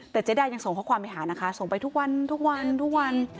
แต่เจ๊ดายังส่งข้อความไปหานะคะส่งไปทุกวันทุกวันทุกวัน